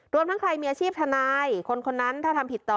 ทั้งใครมีอาชีพทนายคนคนนั้นถ้าทำผิดต่อ